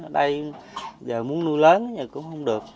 đây giờ muốn nuôi lớn thì cũng không được